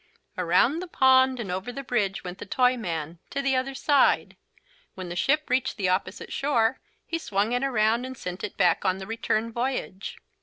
Around the pond and over the bridge went the Toyman, to the other side. When the ship reached the opposite shore he swung it around and sent it back on the return voyage.